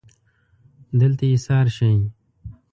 دلته ایسار شئ